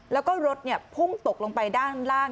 แล้วก็รถพุ่งตกลงไปด้านล่าง